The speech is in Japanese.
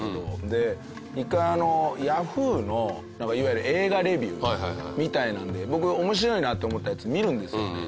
で一回ヤフーのいわゆる映画レビューみたいなので僕面白いなと思ったやつ見るんですよね